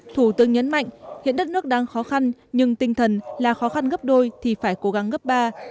thủ tướng nhấn mạnh hiện đất nước đang khó khăn nhưng tinh thần là khó khăn gấp đôi thì phải cố gắng gấp ba